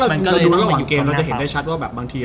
แล้วถ้าเราดูระหว่างเกมเราจะเห็นได้ชัดว่าแบบบางที